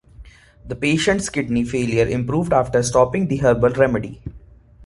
The patient's kidney failure improved after stopping the herbal remedy.